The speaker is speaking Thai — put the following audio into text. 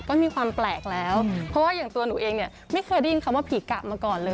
ก็มีความแปลกแล้วเพราะว่าอย่างตัวหนูเองเนี่ยไม่เคยได้ยินคำว่าผีกะมาก่อนเลย